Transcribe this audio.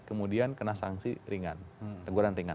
kemudian kena sanksi ringan teguran ringan